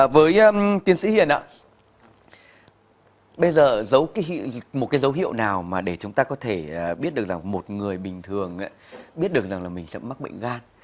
với tiến sĩ hiền ạ bây giờ một cái dấu hiệu nào mà để chúng ta có thể biết được rằng một người bình thường biết được rằng là mình sẽ mắc bệnh gan